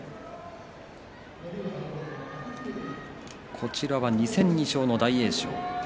こちらは２戦２勝の大栄翔。